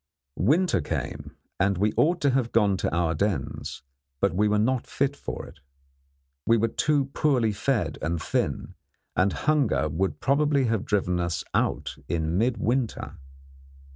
Winter came, and we ought to have gone to our dens, but we were not fit for it. We were too poorly fed and thin, and hunger would probably have driven us out in midwinter.